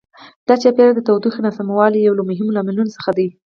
د چاپیریال د تودوخې ناسموالی یو له مهمو لاملونو څخه دی.